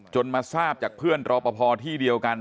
มาทราบจากเพื่อนรอปภที่เดียวกัน